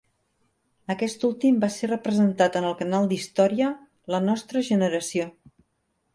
Aquest últim va ser representat en el canal d'història "la nostra generació".